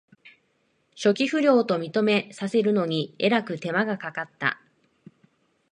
初期不良と認めさせるのにえらく手間がかかった